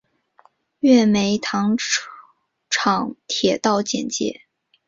月眉糖厂铁道简介